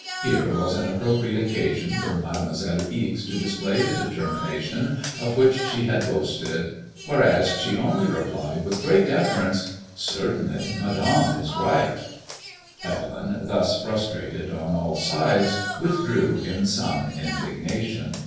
. Here was an appropriate occasion for Mademoiselle Ixe to display the determination of which she had boasted, whereas she only replied with great deference :" Certainly: Madame is right." I06 ICAOEMOISELLB DUL Evelyn, thus frustrated on all sides, withdrew in some indig nation.